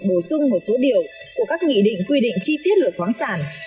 bổ sung một số điều của các nghị định quy định chi tiết luật khoáng sản